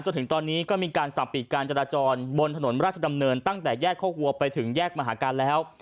จนถึงตอนนี้ก็มีการสั่งปิดการจราจรบนถนนราชดำเนินตั้งแต่แยกโคกวัวไปถึงแยกมหาการแล้ว